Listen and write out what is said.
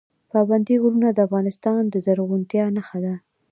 پابندی غرونه د افغانستان د زرغونتیا نښه ده.